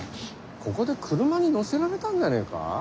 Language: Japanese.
ここで車に乗せられたんじゃねえか？